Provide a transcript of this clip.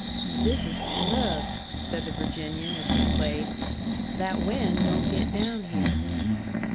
"This is snug," said the Virginian, as we played. "That wind don't get down here."